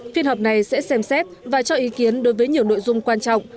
phiên họp này sẽ xem xét và cho ý kiến đối với nhiều nội dung quan trọng